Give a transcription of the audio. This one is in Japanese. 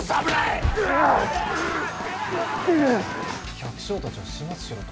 百姓たちを始末しろと？